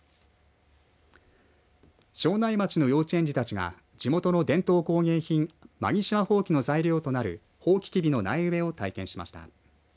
庄内町の幼稚園児たちが地元の伝統工芸品、槇島ほうきの材料となる、ほうききびの苗植えを体験しました。